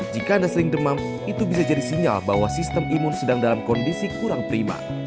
jika anda sering demam itu bisa jadi sinyal bahwa sistem imun sedang dalam kondisi kurang prima